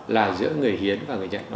là giữa người hiến và người nhận